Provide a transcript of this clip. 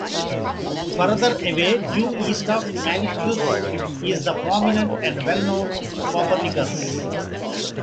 Further away due east of Milichius is the prominent and well-known Copernicus.